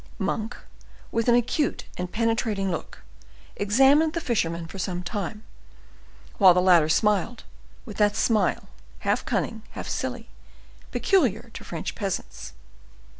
Monk, with an acute and penetrating look, examined the fisherman for some time, while the latter smiled, with that smile, half cunning, half silly, peculiar to French peasants.